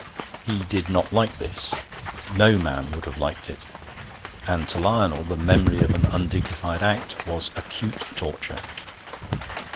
He did not like this no man would have liked it; and to Lionel the memory of an undignified act was acute torture.